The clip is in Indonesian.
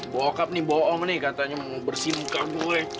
bokap nih bohong nih katanya mau bersih muka gue